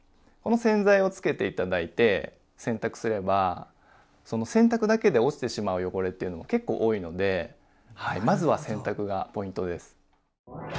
この洗剤をつけて頂いて洗濯すればその洗濯だけで落ちてしまう汚れっていうのも結構多いのでまずは洗濯がポイントです。